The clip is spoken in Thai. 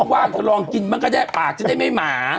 ก่อนมีอยู่ลองกินก็ได้ปากจะได้ไหมมา